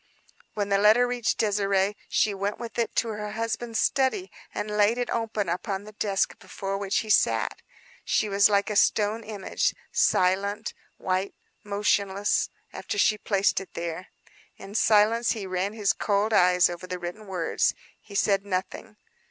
When the letter reached Désirée she went with it to her husband's study, and laid it open upon the desk before which he sat. She was like a stone image: silent, white, motionless after she placed it there. In silence he ran his cold eyes over the written words. He said nothing.